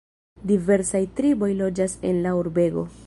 Diversaj triboj loĝas en la urbego.